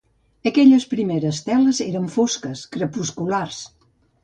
Aquelles primeres teles eren fosques, crepusculars.